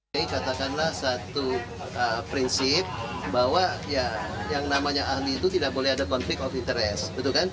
jadi katakanlah satu prinsip bahwa yang namanya ahli itu tidak boleh ada konflik of interest